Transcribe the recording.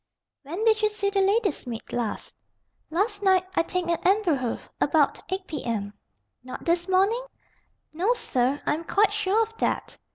"When did you see the lady's maid last?" "Last night. I think at Amberieux. about 8 p.m." "Not this morning?" "No, sir, I am quite sure of that."